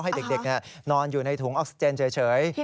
ให้เด็กนอนอยู่ในถุงออกซิเจนเฉย